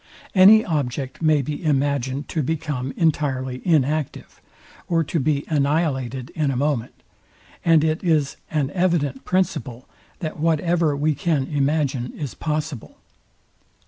Any object may be imagined to become entirely inactive, or to be annihilated in a moment; and it is an evident principle, that whatever we can imagine, is possible.